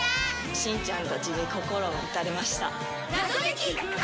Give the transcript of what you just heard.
しんちゃんたちに心を打たれました。